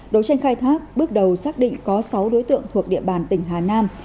đấu tranh khai thác bước đầu xác định có sáu đối tượng thuộc địa bàn tỉnh hà nam